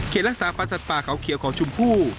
เขตรักษาฝัสสัตว์ปลาเขาเขียวขอชุ่มผู้